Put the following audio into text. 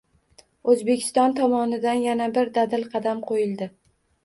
Oʻzbekiston tomonidan yana bir dadil qadam qoʻyildi